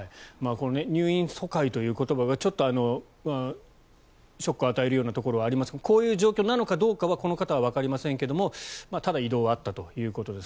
入院疎開という言葉がちょっとショックを与えるようなところがありますがこういう状況なのかどうかはこの方はわかりませんがただ、移動はあったということです。